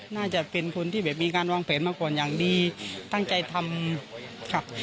น่าจะเป็นคนที่แบบมีการวางแผนมาก่อนอย่างดีตั้งใจทำค่ะ